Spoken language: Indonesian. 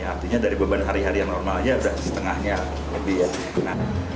artinya dari beban hari hari yang normal aja setengahnya lebih